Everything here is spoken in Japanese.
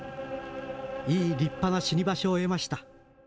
いい立派な死に場所を得ました。